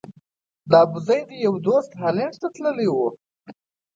د ابوزید یو دوست هالند ته تللی و.